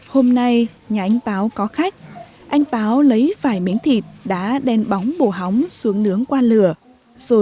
hôm nay nhà anh báo có khách anh báo lấy vài miếng thịt đã đen bóng bổ hóng xuống nướng qua lửa rồi đem rửa sạch cho hết